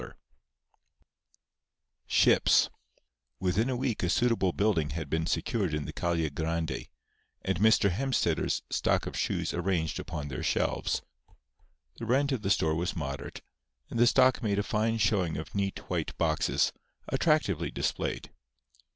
XIII SHIPS Within a week a suitable building had been secured in the Calle Grande, and Mr. Hemstetter's stock of shoes arranged upon their shelves. The rent of the store was moderate; and the stock made a fine showing of neat white boxes, attractively displayed.